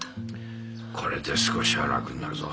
これで少しは楽になるぞ。